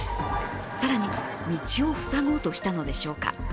更に、道を塞ごうとしたのでしょうか。